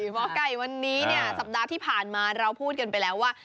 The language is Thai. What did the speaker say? หมอไก่วันนี้เนี่ยสัปดาห์ที่ผ่านมาเราพูดกันไปแล้วว่า